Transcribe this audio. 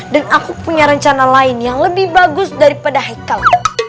dan aku punya rencana lain yang lebih bagus daripada haikal